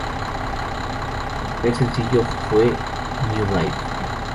Su primer sencillo fue "New Life".